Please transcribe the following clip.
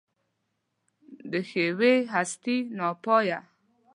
د ښېوې هستي ناپایه